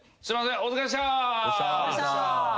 お疲れっした。